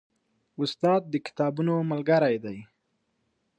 استاد د کتابونو ملګری دی.